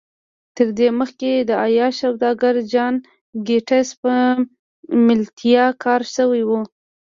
تر دې مخکې د عياش سوداګر جان ګيټس په ملتيا کار شوی و.